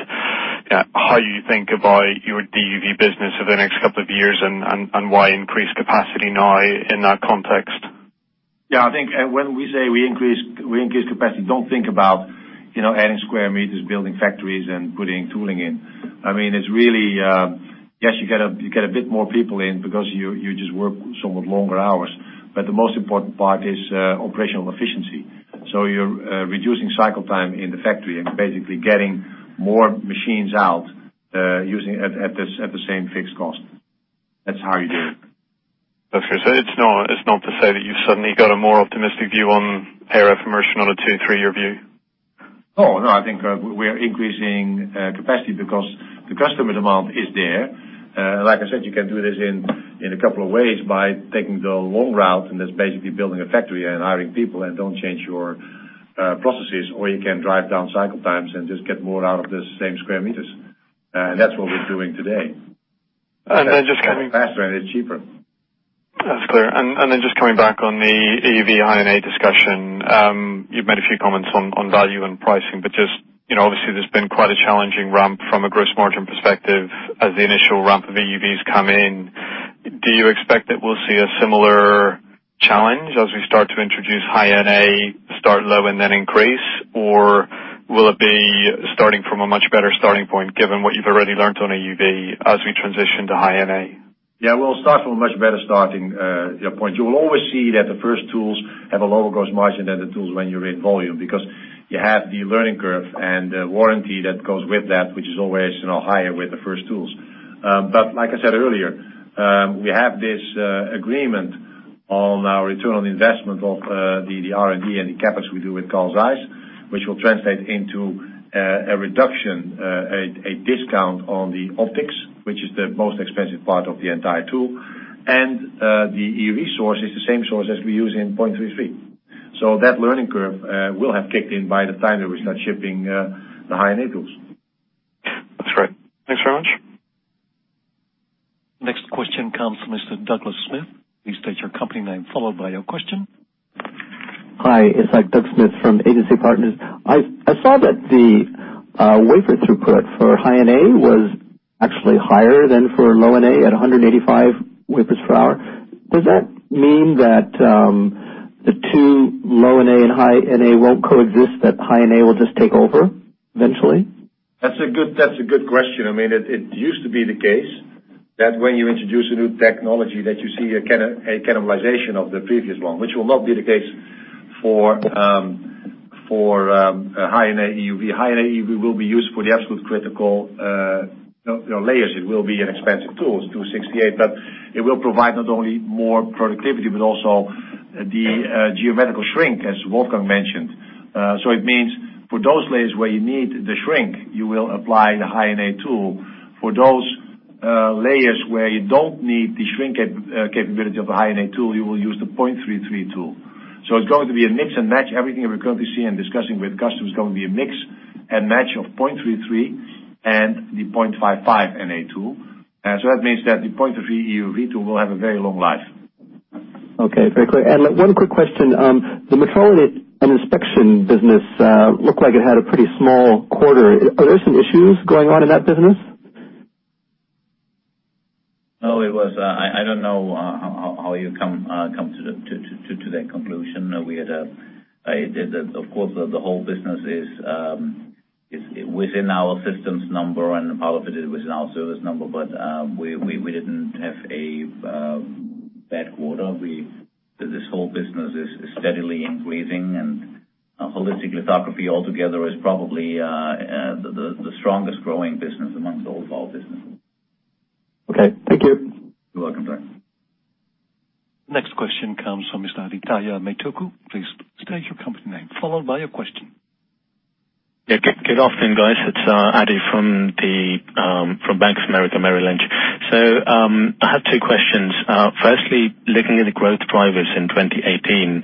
how you think about your DUV business over the next couple of years, and why increase capacity now in that context? Yeah, I think when we say we increase capacity, don't think about adding square meters, building factories, and putting tooling in. Yes, you get a bit more people in because you just work somewhat longer hours. The most important part is operational efficiency. You're reducing cycle time in the factory and basically getting more machines out at the same fixed cost. That's how you do it. Okay. It's not to say that you've suddenly got a more optimistic view on ArF immersion on a two, three-year view? No, I think we are increasing capacity because the customer demand is there. Like I said, you can do this in a couple of ways by taking the long route, and that's basically building a factory and hiring people and don't change your processes. You can drive down cycle times and just get more out of the same square meters. That's what we're doing today. Just coming. It's faster and it's cheaper. That's clear. Just coming back on the EUV High-NA discussion. You've made a few comments on value and pricing. There's been quite a challenging ramp from a gross margin perspective as the initial ramp of EUVs come in. Do you expect that we'll see a similar challenge as we start to introduce High-NA, start low, and then increase? Will it be starting from a much better starting point given what you've already learned on EUV as we transition to High-NA? We'll start from a much better starting point. You will always see that the first tools have a lower gross margin than the tools when you're in volume, because you have the learning curve and the warranty that goes with that, which is always higher with the first tools. Like I said earlier, we have this agreement on our return on investment of the R&D and the CapEx we do with Carl Zeiss, which will translate into a reduction, a discount on the optics, which is the most expensive part of the entire tool. The EUV source is the same source as we use in 0.33 NA. That learning curve will have kicked in by the time we start shipping the High-NA tools. That's right. Thanks very much. Next question comes from Mr. Douglas Smith. Please state your company name, followed by your question. Hi, it's Doug Smith from Agency Partners. I saw that the wafer throughput for High-NA was actually higher than for low NA at 185 wafers per hour. Does that mean that the two, low NA and High-NA, won't coexist, that High-NA will just take over eventually? That's a good question. It used to be the case that when you introduce a new technology, that you see a cannibalization of the previous one, which will not be the case for High-NA EUV. High-NA EUV will be used for the absolute critical layers. It will be an expensive tool, it's 268 million. But it will provide not only more productivity, but also the geometrical shrink, as Wolfgang mentioned. It means for those layers where you need the shrink, you will apply the High-NA tool. For those layers where you don't need the shrink capability of the High-NA tool, you will use the 0.33 tool. It's going to be a mix and match. Everything we currently see and discussing with customers is going to be a mix and match of 0.33 and the 0.55 NA tool. That means that the 0.33 EUV tool will have a very long life. Okay, very clear. One quick question. The metrology and inspection business looked like it had a pretty small quarter. Are there some issues going on in that business? No. I don't know how you come to that conclusion. Of course, the whole business is within our systems number, and a part of it was in our service number. We didn't have a bad quarter. This whole business is steadily increasing, and holistic lithography altogether is probably the strongest growing business amongst all of our businesses. Okay. Thank you. You're welcome. Next question comes from Mr. Adithya Metuku. Please state your company name, followed by your question. Yeah. Good afternoon, guys. It's Adi from Bank of America, Merrill Lynch. I have two questions. Firstly, looking at the growth drivers in 2018,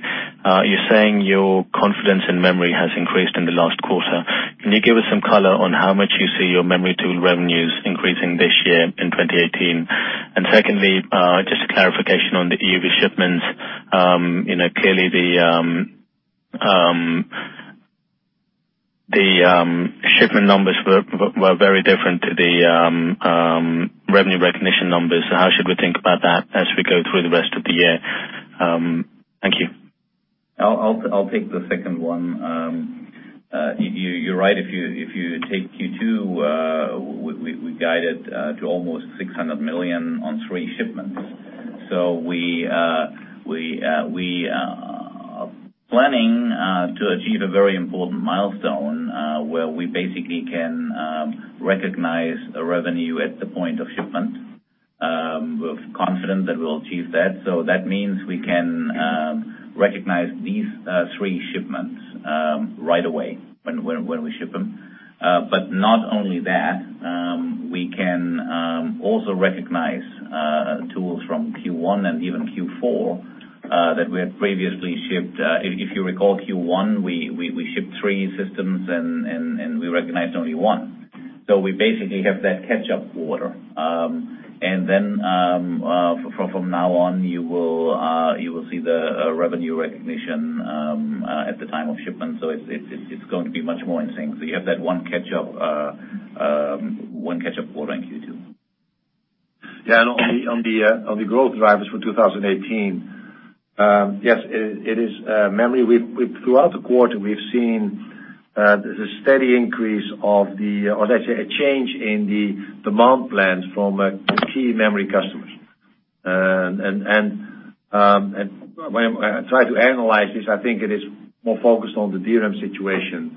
you're saying your confidence in memory has increased in the last quarter. Can you give us some color on how much you see your memory tool revenues increasing this year in 2018? Secondly, just a clarification on the EUV shipments. Clearly, the shipment numbers were very different to the revenue recognition numbers. How should we think about that as we go through the rest of the year? Thank you. I'll take the second one. You're right. If you take Q2, we guided to almost EUR 600 million on three shipments. We are planning to achieve a very important milestone, where we basically can recognize the revenue at the point of shipment. We're confident that we'll achieve that. That means we can recognize these three shipments right away when we ship them. Not only that, we can also recognize tools from Q1 and even Q4, that we had previously shipped. If you recall Q1, we shipped three systems, and we recognized only one. We basically have that catch-up quarter. From now on, you will see the revenue recognition at the time of shipment. It's going to be much more in sync. You have that one catch-up quarter in Q2. Yeah. On the growth drivers for 2018. Yes, it is memory. Throughout the quarter, we've seen a steady increase of a change in the demand plans from the key memory customers. When I try to analyze this, I think it is more focused on the DRAM situation.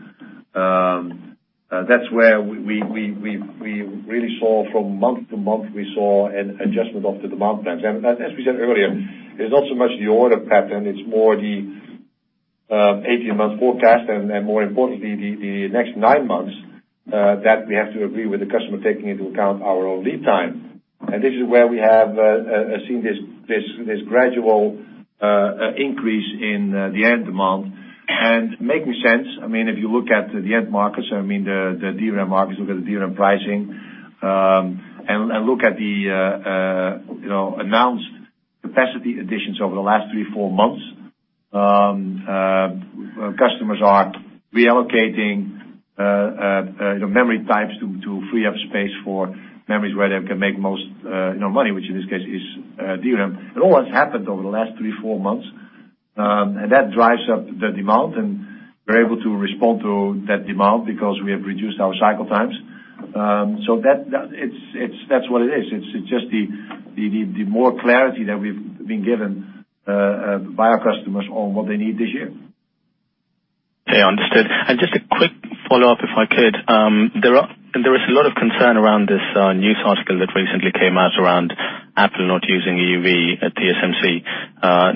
That's where we really saw from month to month, we saw an adjustment of the demand plans. As we said earlier, it's not so much the order pattern, it's more the 18-month forecast and more importantly, the next nine months, that we have to agree with the customer taking into account our own lead time. This is where we have seen this gradual increase in the end demand. Making sense, if you look at the end markets, the DRAM markets, look at the DRAM pricing, and look at the announced capacity additions over the last three, four months. Customers are reallocating memory types to free up space for memories where they can make the most money, which in this case is DRAM. All that's happened over the last three, four months, and that drives up the demand, and we're able to respond to that demand because we have reduced our cycle times. That's what it is. It's just the more clarity that we've been given by our customers on what they need this year. Okay, understood. Just a quick follow-up, if I could. There is a lot of concern around this news article that recently came out around Apple not using EUV at TSMC.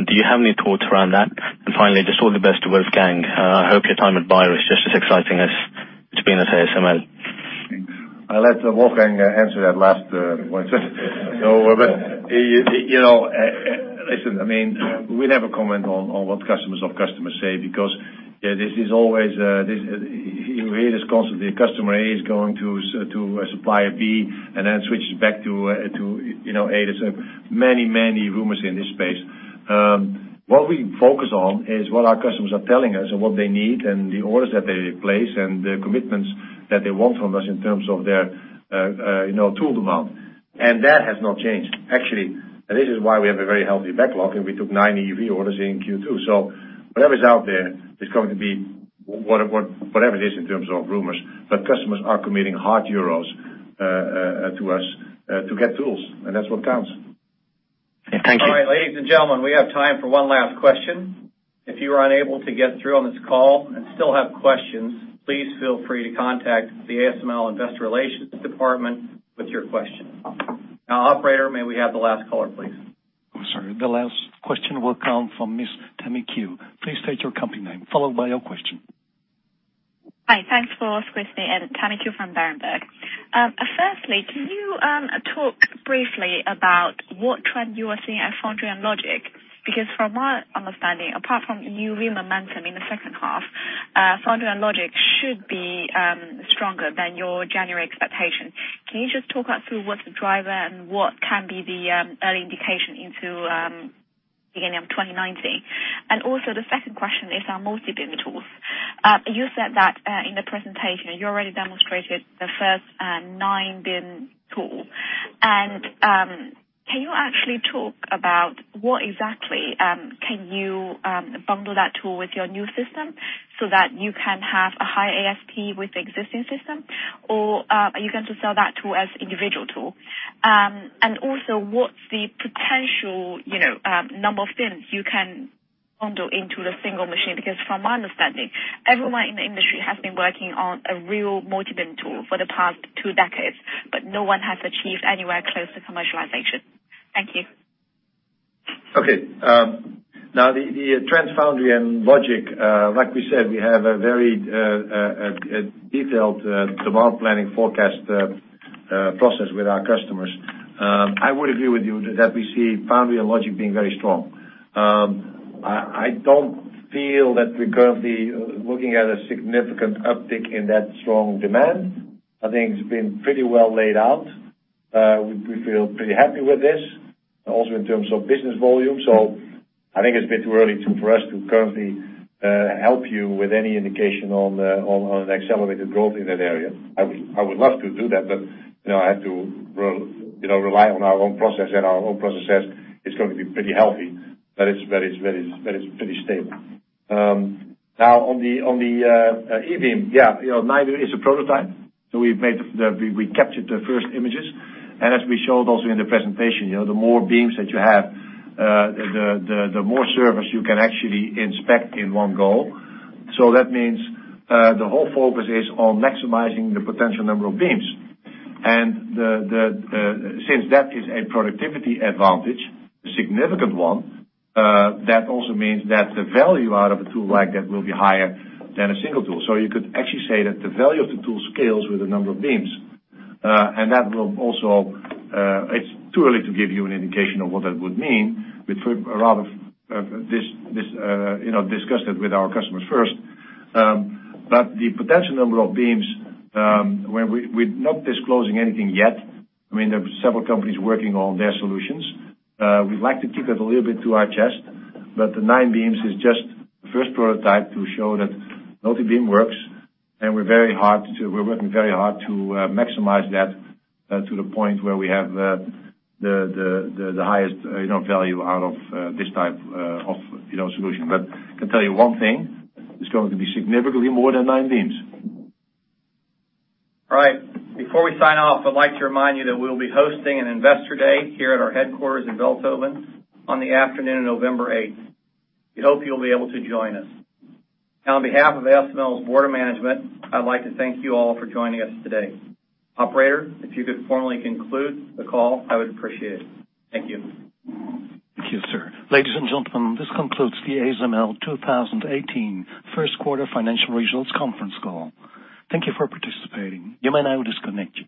Do you have any thoughts around that? Finally, just all the best to Wolfgang. I hope your time at Bayer is just as exciting as it's been at ASML. I'll let Wolfgang answer that last one. Listen, we never comment on what customers of customers say because this is always. You hear this constantly. Customer A is going to supplier B and then switches back to A. There's many rumors in this space. What we focus on is what our customers are telling us and what they need and the orders that they place and the commitments that they want from us in terms of their tool demand. That has not changed. Actually, this is why we have a very healthy backlog, and we took nine EUV orders in Q2. Whatever's out there is going to be whatever it is in terms of rumors, but customers are committing hard euros to us to get tools, and that's what counts. Thank you. All right, ladies and gentlemen, we have time for one last question. If you were unable to get through on this call and still have questions, please feel free to contact the ASML investor relations department with your question. Operator, may we have the last caller, please? Sorry. The last question will come from Miss Tammy Qiu. Please state your company name, followed by your question. Hi. Thanks for asking. Tammy Qiu from Berenberg. From my understanding, apart from EUV momentum in the second half, foundry and logic should be stronger than your January expectation. Can you just talk us through what's the driver and what can be the early indication into beginning of 2019? The second question is on multi-beam tools. You said that in the presentation, you already demonstrated the first nine-beam tool. Can you actually talk about what exactly can you bundle that tool with your new system so that you can have a high ASP with the existing system? Or are you going to sell that tool as individual tool? What's the potential number of beams you can bundle into the single machine? From my understanding, everyone in the industry has been working on a real multi-beam tool for the past two decades, but no one has achieved anywhere close to commercialization. Thank you. Okay. The trends foundry and logic, like we said, we have a very detailed demand planning forecast process with our customers. I would agree with you that we see foundry and logic being very strong. I don't feel that we're currently looking at a significant uptick in that strong demand. I think it's been pretty well laid out. We feel pretty happy with this, also in terms of business volume. I think it's a bit too early for us to currently help you with any indication on accelerated growth in that area. I would love to do that, but I have to rely on our own process, and our own process says it's going to be pretty healthy, but it's pretty stable. On the E-beam. Nine is a prototype. We captured the first images. As we showed also in the presentation, the more beams that you have, the more surface you can actually inspect in one go. That means the whole focus is on maximizing the potential number of beams. Since that is a productivity advantage, a significant one, that also means that the value out of a tool like that will be higher than a single tool. You could actually say that the value of the tool scales with the number of beams. It's too early to give you an indication of what that would mean. We'd rather discuss that with our customers first. The potential number of beams, we're not disclosing anything yet. There's several companies working on their solutions. We'd like to keep it a little bit to our chest, the nine beams is just the first prototype to show that multi-beam works, we're working very hard to maximize that to the point where we have the highest value out of this type of solution. I can tell you one thing, it's going to be significantly more than nine beams. All right. Before we sign off, I'd like to remind you that we'll be hosting an investor day here at our headquarters in Veldhoven on the afternoon of November 8th. We hope you'll be able to join us. On behalf of ASML's board of management, I'd like to thank you all for joining us today. Operator, if you could formally conclude the call, I would appreciate it. Thank you. Thank you, sir. Ladies and gentlemen, this concludes the ASML 2018 first quarter financial results conference call. Thank you for participating. You may now disconnect.